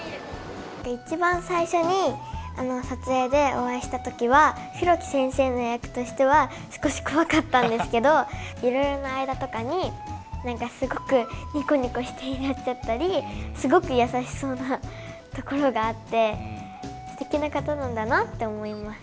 一番最初に、撮影でお会いしたときは、黒木先生の役としては少し怖かったんですけど、いろいろな間とかに、なんかすごく、にこにこしていらっしゃったり、すごく優しそうなところがあって、すてきな方なんだなって思います。